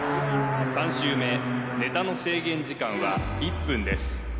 ３周目ネタの制限時間は１分です